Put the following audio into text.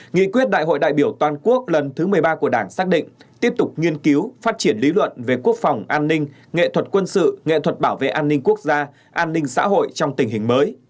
nghị quyết đại hội đại biểu toàn quốc lần thứ một mươi ba của đảng xác định tiếp tục nghiên cứu phát triển lý luận về quốc phòng an ninh nghệ thuật quân sự nghệ thuật bảo vệ an ninh quốc gia an ninh xã hội trong tình hình mới